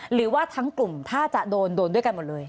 หรือว่าทั้งกลุ่มถ้าจะโดนโดนด้วยกันหมดเลย